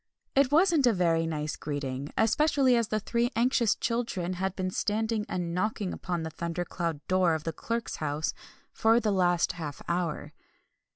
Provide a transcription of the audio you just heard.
It wasn't a very nice greeting, especially as the three anxious children had been standing and knocking upon the thundercloud door of the Clerk's house for the last half hour.